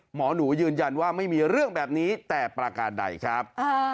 หมอหนูยืนยันว่าไม่มีเรื่องแบบนี้แต่ประการใดครับ